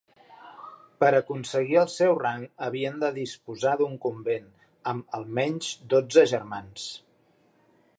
Per aconseguir el seu rang havien de disposar d'un convent amb, almenys, dotze germans.